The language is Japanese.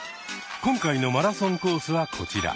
今回のマラソンコースはこちら。